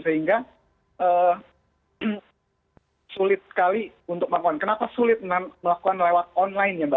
sehingga sulit sekali untuk melakukan kenapa sulit melakukan lewat online mbak sida ya